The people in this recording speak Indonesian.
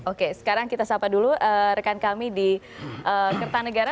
oke sekarang kita sapa dulu rekan kami di kertanegara